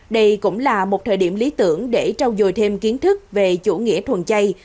đây cũng là một thời điểm lý tưởng để trao dồi thêm kiến thức về chủ nghĩa thuần chay